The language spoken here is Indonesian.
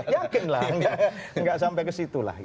yakin lah enggak sampai ke situ lah